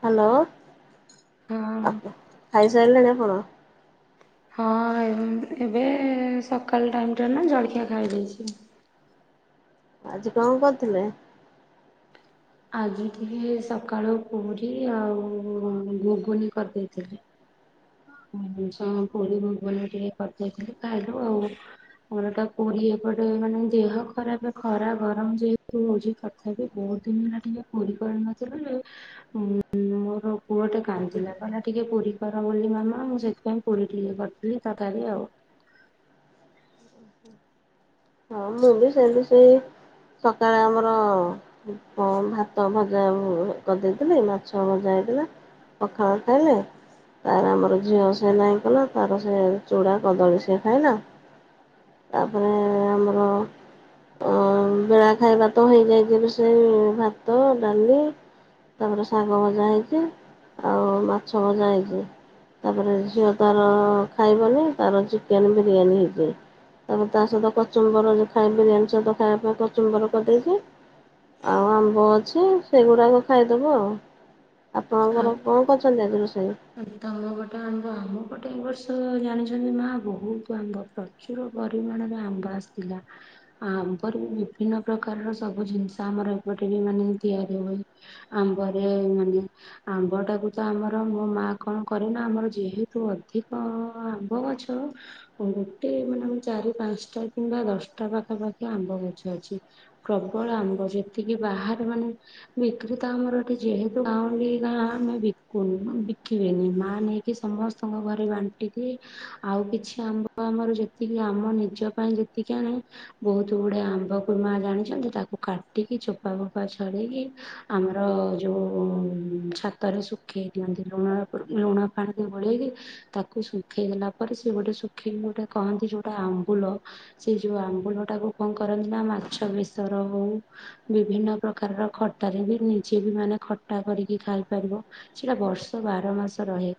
Hello ହଁ ଆ ଖାଇସାରିଲେଣି ଆପଣ? ହଁ ଏବ ଏବେ ସକାଳ ଟାଇମ୍ ଟା ନା ଜଳଖିଆ ଖାଇ ଦେଇଛି। ଆଜି କଣ କରୁଥିଲେ? ଆଜି ଟିକେ ସକାଳୁ ପୁରୀ ଆଉ ଘୁଗୁନି କରିଦେଇଥିଲି। [unintelligible] କରିଦେଇଥିଲୁ ଖାଇଲୁ ଆଉ। ପରଟା ପୁରି ଏପଟେ ମାନେ ଦେହ ଖରାପ ଖରା ଗରମ ଯେହେତୁ ହଉଛି। ଖ [unintelligible] ବହୁତ ଦିନ ହେଲା ଟିକେ ପୁରୀ କରିନଥିଲୁ। ଯେ ଉଁ ମୋଁ ମୋର ପୁଅ ଟା କାନ୍ଦିଲା କହିଲା ଟିକେ ପୁରୀ କର ର ବୋଲି ମାମା ମୁଁ ସେଥିପାଇଁ ପୁରୀ ଟିକେ କରିଥିଲି ତରକାରି ଆଉ। ହଁ ମୁଁ ବି ସେମିତି ସେଇ ସକାଳେ ଆମର ହଁ ଭାତ ଭଜା ଉଁ କରିଦେଇଥିଲି ମାଛ ଭଜା ହେଇଥିଲା। ପଖାଳ ଖାଇଲେ। ତାର ଆମର ଝିଅ ସେ ନାହିଁ କଲା ତାର ସେ ଚୁଡ଼ା କଦଳୀ ସେ ଖାଇଲା। ତା ପରେ ଆମର ଅଁ ବେଳା ଖାଇବା ତ ହେଇଯାଇଛି ସେଇ ଭାତ ଡାଲି ତାପରେ ଶାଗ ଭଜା ହେଇଛି ଆଉ ମାଛ ଭଜା ହେଇଛି। ତାପରେ ଝିଅ ତାର ଖାଇବନି ତାର ଚିକେନ ବିରିୟାନୀ ହେଇଛି। ତାପରେ ତା ସହିତ କଚୁମ୍ବର ରେ ଖାଏ ବିରିୟାନୀ ସହିତ ଖାଇବା ପାଇଁ କଚୁମ୍ବର କରିଦେଇଛି। ଆଉ ଆମ୍ବ ଅଛି ସେଗୁଡ଼ାକ ଖାଇଦେବୁ ଆଉ। ଆପଣଙ୍କର ଆଉ କଣ କରୁଛନ୍ତି ଆଜି ରୋଷେଇ? ତମ ପଟେ ଆମ୍ବ ଆମ ପଟେ ଏ ବର୍ଷ ଜାଣିଛନ୍ତି ନାଁ ବହୁତ ଆମ୍ବ ଫ ପ୍ରଚୁର ପରିମାଣରେ ଆମ୍ବ ଆସିଥିଲା। ଆମ୍ବ ରୁ ବିଭିନ୍ନ ପ୍ରକାରର ସବୁ ଜିନିଷ ଆମର ଏପଟେ ବି ମାନେ ତିଆରି ହୁଏ। ଆମ୍ବରେ ମାନେ ଆମ୍ବ ଟାକୁ ତ ଆମର ମୋ ମା କଣ କରେନା ଆମର ଯେହେତୁ ଅଧିକ ଆମ୍ବ ଗଛ ଗୋଟେ ମାନେ ଚାରି ପାଞ୍ଚଟା କିମ୍ବା ଦଶଟା ପାଖାପାଖି ଆମ୍ବ ଗଛ ଅଛି। ପ୍ରବଳ ଆମ୍ବ ଯେତିକି ବାହାରେ ମାନେ ବିକ୍ରି ତ ଆମର ଏଠି ଯେହେତୁ ଗାଉଁଲି ଗାଁ ଆମେ ବିକୁନୁ ବିକ କି ବେନି ମା ନେଇକି ସମସ୍ତଙ୍କ ଘରେ ବାଣ୍ଟି ଦିଏ ଆଉ କିଛି ଆମ୍ବ ଆମର ଯେତିକି ଆମ ନିଜ ପାଇଁ ଯେତିକି ଆଣେ ବହୁତ ଗୁଡେ ଆମ୍ବକୁ ମା ଜାଣିଛନ୍ତି ତାକୁ କାଟିକି ଚୋପା ଫୋପା ଛଡ଼େଇକି ଆମର ଯୋଉ ଛାତରେ ଶୁଖେଇ ଦିଅନ୍ତି। [unintelligible] ଲୁଣ ପାଣି ରେ ଗୋଳେଇଲି। ତାକୁ ଶୁଖେଇ ଦେଲା ପରେ ସିଏ ଗୋଟେ ସୁଖିକି ଗୋଟେ କହନ୍ତି ଯୋଉଟା ଆମ୍ବୁଲ। ସେ ଯୋଉ ଆମ୍ବୁଲ ଟାକୁ କଣ କରନ୍ତି ନା ମାଛ ବେସର ହଉ ବିଭିନ୍ନ ପ୍ରକାରର ଖଟାରେ ବି ନିଜେ ବି ମାନେ ଖଟା କରିକି ଖାଇପାରିବ ସେଟା ବର୍ଷ ବାର ମାସ ରହେ।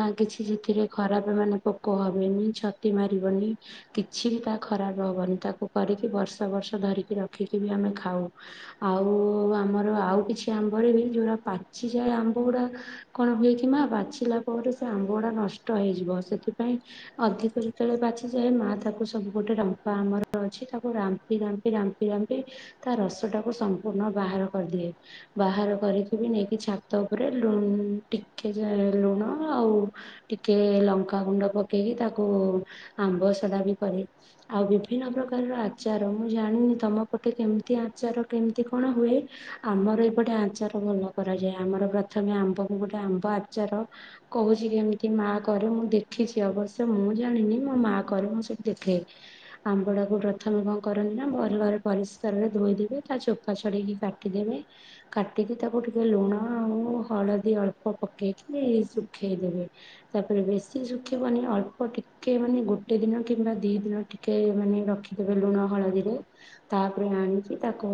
ନା କିଛି ସେଥିରେ ଖରାପ ମାନେ ପୋକ ହବନି ଛତି ମାରିବନି। କିଛି ହି ତା ଖରାପ ହବନି ତାକୁ କରିକି ବର୍ଷ ବର୍ଷ ଧରିକି ରଖିକି ବି ଆମେ ଖାଉ। ଆଉ ଆମର ଆଉ କିଛି ଆମ୍ବରେ ବି ଯୋଉଗୁରା ପାଚି ଯାଏ ଆମ୍ବ ଗୁଡା କଣ ହୁଏକି ମା ପାଚିଲା ପରେ ସେ ଆମ୍ବ ଗୁଡ଼ାକ ନଷ୍ଟ ହେଇଯିବ ସେଥିପାଇଁ ଅଧିକ ଯେତେବେଳେ ପାଚିଯାଏ ମା ତାକୁ ସବୁ ଗୋଟେ ଢମ୍ପା ଆମର ଅଛି ତାକୁ ରା ମ୍ପି ରାମ୍ପି ରାମ୍ପି ରାମ୍ପି ତା ରସଟାକୁ ସମ୍ପୂର୍ଣ୍ଣ ବାହାର କରିଦିଏ। ବାହାର କରିକିବି ନେଇକି ଛାତ ଉପରେ ଲୁ ଟିକେ ଯା ଲୁଣ ଆଉ ଟିକେ ଲଙ୍କା ଗୁଣ୍ଡ ପକେଇକି ତାକୁ ଆମ୍ବସଡା ବି କରେ। ଆଉ ବିଭିନ୍ନ ପ୍ରକାରର ଆଚାର ମୁଁ ଜାଣିନି ତମ ପଟେ କେମିତି ଆଚାର କେମିତି କଣ ହୁଏ। ଆମର ଏପଟେ ଆଚାର ଭଲ କରାଯାଏ ଆମର ପ୍ରଥମେ ଆମ୍ବକୁ ଗୋଟେ ଆମ୍ବ ଆଚାର। କହୁଛି କେମିତି ମା କରେ ମୁଁ ଦେଖିଛି ଅବଶ୍ୟ ମୁଁ ଜାଣିନି ମୋ ମା କରେ ମୁଁ ସେଠି ଦେଖେ। ଆମ୍ବ ଟାକୁ ପ୍ରଥମେ କଣ କରନ୍ତି ନା ମୋର ଘରେ ପରିସ୍କାରରେ ଧୋଇଦବେ ତା ଚୋପ୍ ପା ଛଡେଇ କି କାଟିଦେବେ କାଟିକି ତାକୁ ଟିକେ ଲୁଣ ଆଉ ହଳ ଦି ଅଳ୍ପ ପକେଇକି ଶୁଖେଇଦେବେ ତାପରେ ବେଶି ଶୁଖେଇବନି ଅଳ୍ପ ଟି ଟିକ ମାନେ ଗୋଟେ ଦିନ କିମ୍ବା ଦି ଦିନ ଟିକେ ମାନେ ରଖିଦେବେ ଲୁଣ ହଳଦୀରେ। ତାପରେ ଆଣିକି ତାକୁ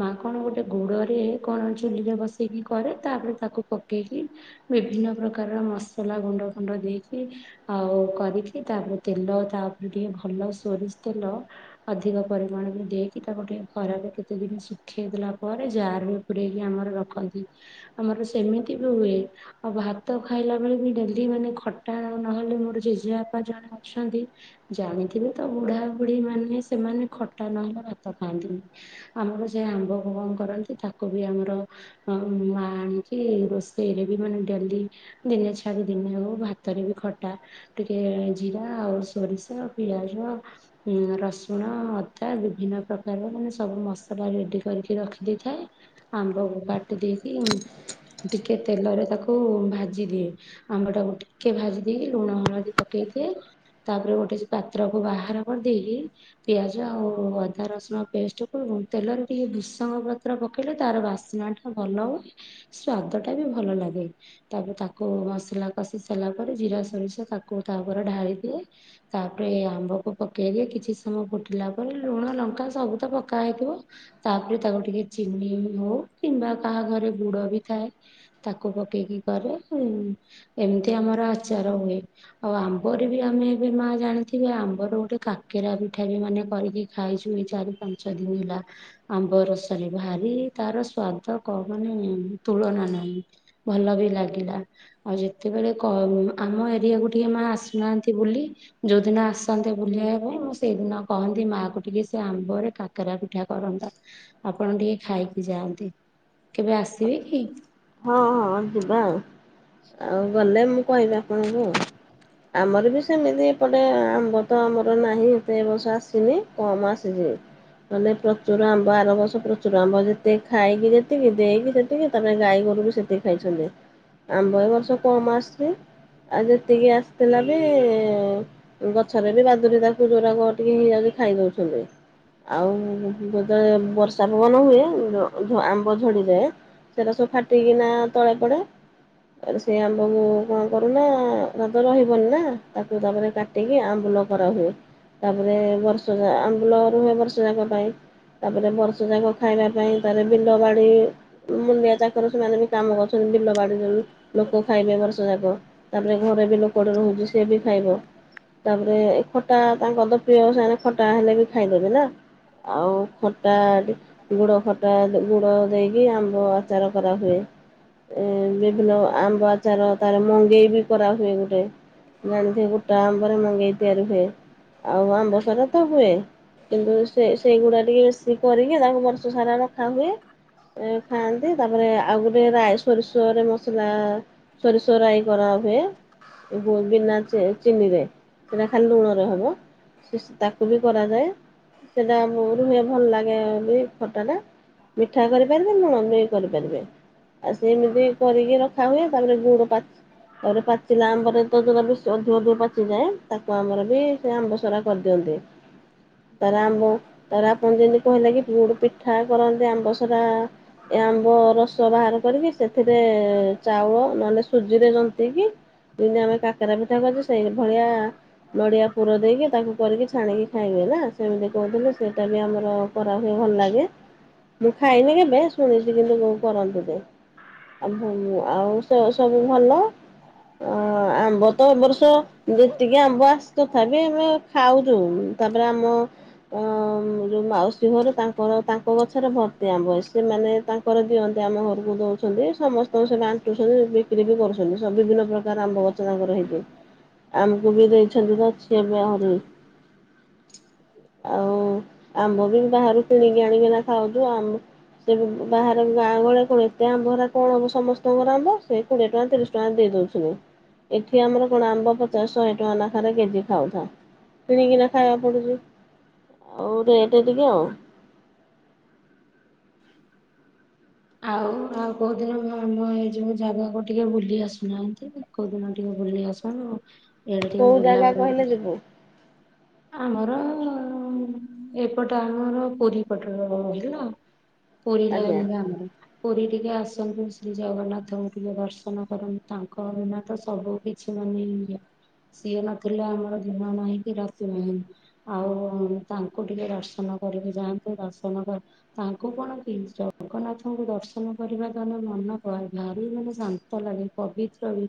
ମା କଣ ଗୋଟେ ଗୁଡରେ କଣ ଚୁଲିରେ ବସେଇକି କରେ ତାପରେ ତାକୁ ପକେଇକି ବିଭିନ୍ନ ପ୍ରକାରର ମସଲା ଗୁଣ୍ଡ ଫୁଣ୍ଡ ଦେଇକି ଆଉ କରିକି ତାପରେ ତେଲ ତାପରେ ଟିକେ ଭଲ ସୋରିଷ ତେଲ ଅଧିକ ପରିମାଣରେ ଦେଇକି ତାକୁ ଟିକେ ଖରାରେ କେତେ ଦିନି ଶୁଖେଇ ଦେଲା ପରେ ଯାରରେ ପୁରେଇକି ଆମର ରଖନ୍ତି। ଆମର ସେମିତି ବି ହୁଏ। ଆଉ ଭାତ ଖାଇଲା ବେଳେ ବି ଡେଲି ମାନେ ଖଟା ନହେଲେ ମୋର ଜେଜେବାପା ଜଣେ ଅଛନ୍ତି। ଜାଣିଥିବେ ତ ବୁଢାବୁଢୀ ମାନେ ସେମାନେ ଖଟା ନହେଲେ ଭାତ ଖାଆନ୍ତିନି। ଆମର ଯେ ଆମ୍ବକୁ କଣ କରନ୍ତି ତାକୁ ବି ଆମର ମା ମାଆ ଆଣିକି ରୋଷେଇରେ ବି ମାନେ ଡେଲି ଦିନେ ଛାଡି ଦିନେ ହବ ଭାତରେ ବି ଖଟା। ଟିକେ ଜିରା ଆଉ ସୋରିଷ ପିଆଜ। ରସୁଣ ଅଦା ବିଭିନ୍ନ ପ୍ରକାରର ମାନେ ସବୁ ମସଲା ରେଡ଼ି କରିକି ରଖିଦେଇଥାଏ। ଆମ୍ବକୁ କାଟି ଦେଇକି ଟିକେ ତେଲରେ ତାକୁ ଭାଜିଦିଏ। ଆମ୍ବ ଟାକୁ ଟିକେ ଭାଜି ଦେଏ ଲୁଣ ହଳଦୀ ପକେଇ ଦିଏ। ତାପରେ ଗୋଟେ ପାତ୍ର କୁ ବାହାର କରିଦେଇକି ପିଆଜ ଆଉ ଅଦା ରସୁଣ ପେଷ୍ଟକୁ ତେଲରେ ଟିକେ ଭୃସଙ୍ଗ ପତ୍ର ପକେଇଲେ ତାର ବାସନାଟା ଭଲ ହୁଏ ସ୍ଵାଦ ଟା ବି ଭଲ ଲାଗେ। ତାପରେ ତାକୁ ମସଲା କଷି ସାରିଲା ପରେ ଜିରା ସୋରିଷ ତାକୁ ତାପରେ ଢାଳି ଦିଏ। ତାପରେ ଆମ୍ବକୁ ପକେଇକି କିଛି ସମୟ ଫୁଟିଲା ପରେ ଲୁଣ ଲଙ୍କା ସବୁ ତ ପକା ହେଇଥିବ। ତାପରେ ତାକୁ ଟିକେ ଚିନି ହଉ କିମ୍ବା କାହା ଘରେ ଗୁଡ ବି ଥାଏ ତାକୁ ପକେଇକି କରେ ଏମିତି ଆମର ଆଚାର ହୁଏ। ଆଉ ଆମ୍ବରେ ବି ଆମେ ଏବେ ମା ଜାଣିଥିବେ ଆମ୍ବର ଗୋଟେ କାକେରା ପିଠା ବି ମାନେ କରିକି ଖାଇଛୁ ଏଇ ଚାରି ପାଞ୍ଚ ଦିନ ହେଲା। ଆମ୍ବ ରସରେ ଭାରି ତାର ସ୍ଵାଦ କହନି। ତୁଳନା ନାହିଁ ଭଲ ବି ଲାଗିଲା ଆଉ ଯେତେବେଳେ କ ଆମ ଏରିଆକୁ ଟିକେ ମା ଆସୁନାହାନ୍ତି ବୁଲି। ଯୋଉଦିନ ଆସନ୍ତେ ବୁଲିବାକୁ ସେଇଦିନ କହନ୍ତି ମା କୁ ଟିକେ ସେ ଆମ୍ବ ରେ କାକେରା ପିଠା କରନ୍ତା। ଆପଣ ଟିକେ ଖାଇକି ଯାଆନ୍ତେ। କେବେ ଆସିବେ କି? ହଁ ହଁ ଯିବା ଆଉ ଆଉ ଗଲେ ମୁଁ କହିବି ଆପଣଙ୍କୁ। ଆମର ବି ସେମିତି ଏପଟେ ଆମ୍ବ ତ ଆମର ନାହିଁ ଏତେ ଏ ବର୍ଷ ଆସିନି କମ ଆସିଛି। ମାନେ ପ୍ରଚୁର ଆମ୍ବ ଆର ବର୍ଷ ପ୍ରଚୁର ଆମ୍ବ ଯେତେ ଖାଇକି ଯେତିକି ଦେଇକି ଯେତିକି ତା ଗାଈ ଗୋରୁ ବି ସେତିକି ଖାଇଛନ୍ତି ଆମ୍ବ ଏ ବର୍ଷ କମ ଆସିଚି। ଆ ଯେତିକି ଆସିଥିଲା ବି ଗଛରେ ବି ବାଦୁୁରୀ ତାକୁ ଜୋଉରାକ ଟିକେ ଇଏ ହେଇଯାଉଚି ଖାଇ ଦଉଚନ୍ତି। ଆଉ ଯେତେବେଳେ ବର୍ଷା ପବନ ହୁଏ ଜୋଉ ଜୋ ଆମ୍ବ ଝଡ଼ିଯାଏ। ସେରା ସବୁ ଫାଟିକିନା ତଳେ ପଡେ। ସେ ଆମ୍ବକୁ କଣ କରୁନା ସେରା ତ ରହିବନି ନା ତାକୁ ତାପରେ କା କାଟିକି ଆମ୍ବୁଲ କରାହୁଏ ତାପରେ ବର୍ଷ ଯାଏ ଆମ୍ବୁଲ ରୁହେ ବର୍ଷ ଯାକ ପାଇଁ। ତାପରେ ବର୍ଷ ଯାକ ଖାଇବା ପାଇଁ ତାରେ ବିଲ ବାଡ଼ି ମୁଲିଆ ଚାକର ସେମାନେ ବି କାମ କରୁଛନ୍ତି ବିଲ ବାଡି ଯୋଉ ଲୋକ ଖାଇବେ ବର୍ଷ ଯାକ। ତାପରେ ଘରେ ବି ଲୋକଟେ ରହୁଛି ସଏ ବି ଖାଇବ। ତାପରେ ଏ ଖଟା ତାଙ୍କ ତ ପ୍ରିୟ ସେମାନେ ଖଟା ହେଲେ ବି ଖାଇଦେବେ ନା। ଆଉ ଖଟା ଟି ଗୁଡ଼ ଖଟା ଗୁଡ଼ ଦେଇକି ଆମ୍ବ ଆଚାର କରାହୁଏ। ଏ ବିଭିନ୍ନ ଆମ୍ବ ଆଚାର ତାର ମଙ୍ଗେଇ ବି କରାହୁଏ ଗୋଟେ। ଜାଣିଥିଵ ଗୋଟା ଆମ୍ବରେ ମଗେଇ ତିଆରି ହୁଏ ଆଉ ଆମ୍ବ ସଡା ତ ହୁଏ। କିନ୍ତୁ ସେ ସେଇଗୁଡା ଟିକେ ବେଶୀ କରିକି ତାକୁ ବର୍ଷ ସାରା ରଖା ହୁଏ ଖାଆନ୍ତି। ତାପରେ ଆଉ ଗୋଟେ ରାଇ ସୋରିଷରେ ମସଲା ସୋରିଷ ରାଇ କରା ହୁଏ। ବିନା ଚିନିରେ ସେରା ଖାଲି ଲୁଣରେ ହବ। ତାକୁ ବି କରାଯାଏ। ସେଟା ରୁହେ ଭଲ ଲାଗେ ବି ଖଟାଟା ମିଠା କରିପାରିବେ ଲୁଣ ମେ କରିପାରିବେ ଆଉ ସେମିତି କରିକି ରଖା ହୁଏ ତାପରେ ଗୁଡ ପାଚ ତାପରେ ପାଚିଲା ଆମ୍ବରେ ତ ଯୋଆ ବିଷ ଅଧିକ ଅଧିକ ପାଚିଯାଏ ତାକୁ ଆମର ବି ସେ ଆମ୍ବ ସଡା କରିଦିଅନ୍ତି। ଁ [unintelligible] ତାର ଆମ୍ବ ତାର ଆପଣ ଯେମିତି କହିଲେ କି ପୋଡ ପିଠା କରନ୍ତି ଆମ୍ବ ସରା। ଏ ଆମ୍ବ ରସ ବାହାର କରିକି ସେଥିରେ ଚାଉଳ ନହେଲେ ସୁଜିରେ ଯନ୍ତକି ଯେମିତି ଆମେ କାକରା ପିଠା କରୁଛୁ ସେଇ ଭଳିଆ ନଡ଼ିଆ ପୁର ଦେଇକି ତାକୁ କରିକି ଛାଣିକି ଖାଇବେ ନା ସେମିତି କହୁଥିଲେ ସେଟା ବି ଆମର କରା ହୁଏ ଭଲ ଲାଗେ ମୁଁ ଖାଇନି କେବେ ଶୁଣିଛି କିନ୍ତୁ ବୋଉ କରନ୍ତି ଯେ। ଆଉ ସେ ସବୁ ଭଲ ଆମ୍ବ ତ ଏବ ବର୍ଷ ଯେତିକି ଆମ୍ବ ଆସ୍‌ ତଥାପି ଆମେ ଖାଉଛୁ ତାପରେ ଆମ ଅ ଯୋଉ ମାଉସୀ ଘରେ ତାଙ୍କର ତାଙ୍କ ଗଛରେ ଭର୍ତ୍ତି ଆମ୍ବ ଆସ୍ ସେମାନେ ତାଙ୍କର ଦିଅନ୍ତି ଆମ ଘରକୁ ଦଉଛନ୍ତି ସମସ୍ତଙ୍କୁ ସେ ବାଣ୍ଟୁଛନ୍ତି ବିକ୍ରି ବି କରୁଛନ୍ତି ସବୁଦିନ ପ ତାର ଆମ୍ବ ଗଛ ତାଙ୍କର ହେଇଛି ଆମକୁ ବି ଦେଇଛନ୍ତି ତ ସିଏ ବି ଆହୁରି ଆଉ ଆମ୍ବ ବି ବାହାରୁ କିଣିକି ଆଣିକିନା ଖାଉଛୁ ଆମ୍ବ ସେଏ ବି ବାହାର ଗାଁ ଗଳେ କଣ ଏତେ ଆମ୍ବରେ କଣ ହବ ସମସ୍ତଙ୍କର ଆମ୍ବ ସେ କୋଡିଏ ଟଙ୍କା ତିରିଶ ଟଙ୍କାରେ ଦେଇ ଦୋଉଚନ୍ତି ଏଠି ଆମର କଣ ଆମ୍ବ ପଚାଶ ଶହେ ଟଙ୍କା ନାଖାରେ କେଜି ଖାଉଥା। କିଣିକିନା ଖାଇବାକୁ ପଡୁଛି ଆଉ ରେଟ ଟିକେ। ଆଉ ଆଉ କୋଉଦିନ ଆମ ଏଇ ଯୋଉ ଜାଗାକୁ ଟିକେ ବୁଲି ଆସୁନାହାନ୍ତି? କଉ ଦିନ ଟିକେ ବୁଲି ଆସୁନ୍ତୁ ଇଆଡେ ଟିକେ କୋଉ ବୁଲା ଜାଗା ବୁଲି କହିଲେ କିଛ୍ ଯିବୁ ଆମର। ଏପଟ ଆମର ପୁରୀ ପଟର ହେଲା ପୁରୀ ଆଜ୍ଞା ଲାଇନ୍ ର ଆମର। ପୁରୀ ଟିକେ ଆସନ୍ତୁ ଶ୍ରୀ ଜଗନ୍ନାଥଙ୍କୁ ଟିକେ ଦର୍ଶନ କରନ୍ତୁ ତାଙ୍କ ଵିନା ତ ସବୁ କି ଛି ମାନେ ନିଅ ସିଏ ନଥିଲେ ଆମର ଦିନ ନାହିଁ କି ରାତି ନାହିଁ। ଆଉ ତାଙ୍କୁ ଟିକେ ଦର୍ଶନ କରିକି ଯାଆନ୍ତୁ ଦର୍ଶନ କରି ତାଙ୍କୁ କଣ କି ଜଗନ୍ନାଥ। ତାଙ୍କୁ ଦର୍ଶନ କରିବା ଦ୍ଵାରା ମନ ବଳାଏ ଭାରି ମାନେ ଶାନ୍ତ ଲାଗେ ପବିତ୍ର ବି।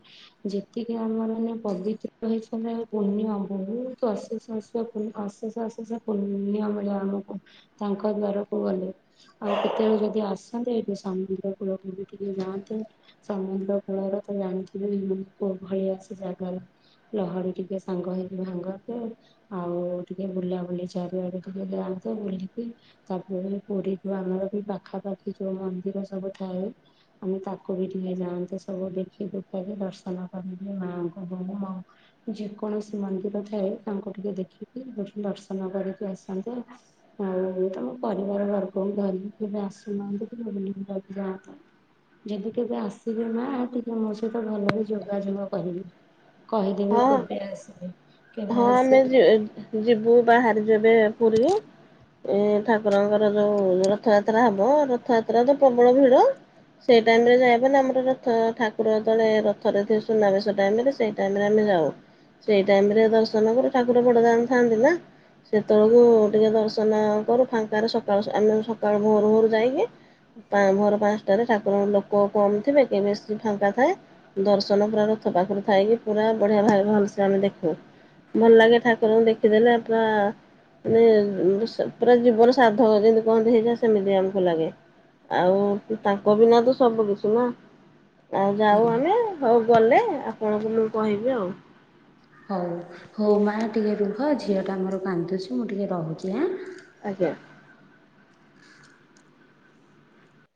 ଯେତିକି ଆମର ମାନ ପବିତ୍ର ହିସାବରେ ପୁଣ୍ୟ ବହୁତ ଅଶେଷ ଅଶେଷ ଅଶେଷ ଅଶେଷ ପୂନ୍ଯ ମିଳିବ ଆମକୁ ତାଙ୍କ ଦ୍ଵାରକୁ ଗଲେ। ଆଉ କେତେବେଳେ ଯଦି ଆସନ୍ତେ ଏଠି ସମୁଦ୍ର କୂଳକୁ ଟିକେ ଯାଆନ୍ତେ। ସମୁଦ୍ର କୂଳର ତ ଜାଣିଥିବେ ଲୋକ ଭୟ ଅଛି ଜାଗାରେ। ଲହଡି ଟିକେ ସାଙ୍ଗ ହେଇକି ଭାଙ୍ଗନ୍ତେ। ଆଉ ଟିକେ ବୁଲା ବୁଲି ଚାରିଆଡେ ଟିକେ ଯାଆନ୍ତେ ବୁଲିକି। ତାପରେ ପୁରୀ କୁ ଆମର ବି ପାଖାପାଖି ଯୋଉ ମନ୍ଦିର ସବୁ ଥାଏ। ଆମେ ତାକୁ ବି ଟିକେ ଯାଆନ୍ତେ ସବୁ ଦେଖି ଦୁଖାକି ଦର୍ଶନ କରନ୍ତେ ମାଆଙ୍କୁ ଯୋଉ ମଙ୍ଗଳା। ଯେକୌଣସି ମନ୍ଦିର ଥାଏ, ତାଙ୍କୁ ଟିକେ ଦେଖିକି ଦର୍ଶନ କରିକି ଆସନ୍ତି। ଆଉ ତମ ପରିବାର ବର୍ଗକୁ ଧରିକି କେବେ ଆସୁନାହାନ୍ତି, ଵୁଲି ବୁଲାକି ଯାଆନ୍ତ? ଯଦି କେବେ ଆସିବେ ନା ଟିକେ ମୋ ସହିତ ଭଲରେ ଯୋଗାଯୋଗ କରିବି। କହିଦେବି କେବେ ଆସିବେ? କେବେ ହଁଲୋ ଆସିବେ ଝିଅ, ଯିବୁ ବାହାରିକି ଏବେ ପୁରୀ। ଏ ଠାକୁରଙ୍କର ଯୋଉ ରଥଯାତ୍ରା ହବ, ରଥଯାତ୍ରା ତ ପ୍ରବଳ ଭିଡ। ସେଇ ଟାଇମ ରେ ଯାଇବ ନା, ଆମର ରଥ ଠାକୁରଳେ ରଥ ରେ ସୁନାବେ ସେ ଟାଇମ ରେ। ସେଇ ଟାଇମରେ ଆମେ ଯାଉ, ସେଇ ଟାଇମ ରେ ଦର୍ଶନ କରୁ, ଠାକୁର ବଡଦାମ ଥାଆନ୍ତି ନା। ସେତେବେଳକୁ ଟିକେ ଦର୍ଶନ କରୁ ଫାଙ୍କାରେ ସକାଳୁ ଆମେ ସକାଳୁ ଭୋରୁ ଭୋରୁ ଯାଇକି। ଭୋର ପାଞ୍ଚଟାରେ ଠାକୁରଙ୍କ ଲୋକ କମ ଥିବେ, ତ ବେଶୀ ଫାଙ୍କା ଥାଏ। ଦର୍ଶନ ପୁରା ରଥ ପାଖରୁ ଥାଇକି ପୁରା ବଢ଼ିଆ ଭାବେ ଭଲସ ଆମେ ଦେଖୁ। ଭଲ ଲାଗେ। ଠାକୁରଙ୍କୁ ଦେଖିଦେଲେ ପୁରା ମାନେ, ପୁରା ଜୀବନ ସାର୍ଥକ ଯେମିତି କହନ୍ତି ହେଇଯାଏ, ସେମିତି ଆମକୁ ଲାଗେ। ଆଉ ତାଙ୍କ ବିନା ସବୁ କିଛିନା। ଆଉ ଯାଉ ହୁଁ ଆମେ, ହଉ ଗଲେ ଆପଣଙ୍କୁ ମୁଁ କହିବି ଆଉ। ହଉ, ହଉ ମା ଟିକେ ରୁହ ଝିଅଟା ମୋର କାନ୍ଦୁଚି ମୁଁ ଟିକେ ରହୁଚି ଆଁ। ଆଜ୍ଞା।